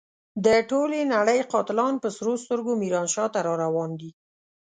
د ټولې نړۍ قاتلان په سرو سترګو ميرانشاه ته را روان دي.